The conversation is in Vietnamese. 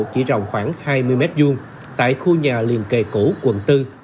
chỉ rồng khoảng hai mươi m hai tại khu nhà liền kề cũ quận bốn